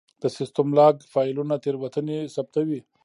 د سیسټم لاګ فایلونه تېروتنې ثبتوي.